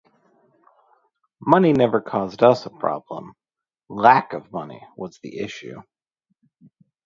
Money never caused us a problem, lack of money was the issue.